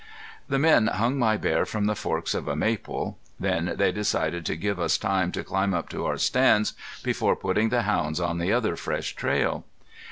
The men hung my bear from the forks of a maple. Then they decided to give us time to climb up to our stands before putting the hounds on the other fresh trail.